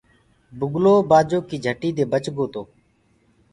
بُگلو بآجو ڪي جھٽي دي بچ گوتو۔